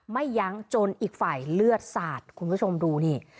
ยั้งจนอีกฝ่ายเลือดสาดคุณผู้ชมดูนี่